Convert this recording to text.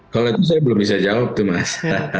kalau itu saya belum bisa jawab tuh mas